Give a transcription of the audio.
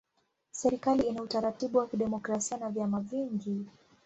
Serikali ina utaratibu wa kidemokrasia ya vyama vingi.